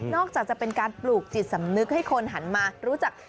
จะเป็นการปลูกจิตสำนึกให้คนหันมารู้จัก